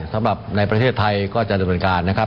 สำหรับในประเทศไทยก็จะดำเนินการนะครับ